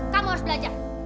kamu harus belajar